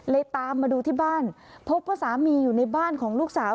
ตามมาดูที่บ้านพบว่าสามีอยู่ในบ้านของลูกสาว